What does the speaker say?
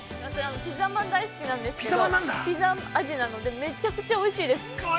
◆ピザまん大好きなんだけどピザ味なのでめちゃくちゃおいしいです。